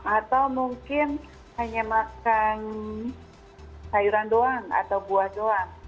atau mungkin hanya makan sayuran doang atau buah doang